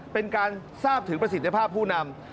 เป็นการทราบถึงประสิทธิภาพผู้นำ